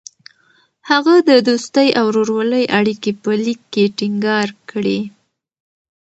هغه د دوستۍ او ورورولۍ اړیکې په لیک کې ټینګار کړې.